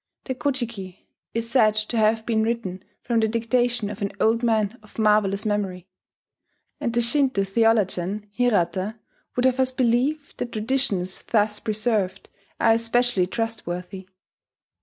The Ko ji ki is said to have been written from the dictation of an old man of marvellous memory; and the Shinto theologian Hirata would have us believe that traditions thus preserved are especially trustworthy.